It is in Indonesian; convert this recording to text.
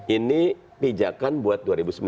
ini pijakan buat dua ribu sembilan belas